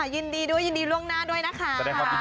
ยินดีด้วยยินดีล่วงหน้าด้วยนะคะ